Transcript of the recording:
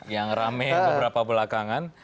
yang rame beberapa belakangan